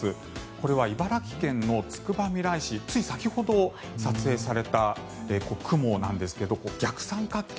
これは茨城県のつくばみらい市つい先ほど撮影された雲なんですが逆三角形